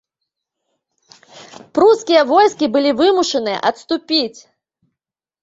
Прускія войскі былі вымушаныя адступіць.